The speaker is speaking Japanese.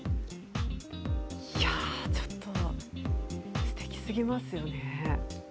ちょっと、すてきすぎますよね。